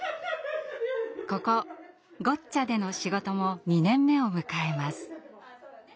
ここゴッチャでの仕事も２年目を迎えます。